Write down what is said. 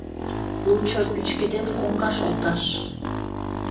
Лучо, пӱчкеден, коҥгаш олташ.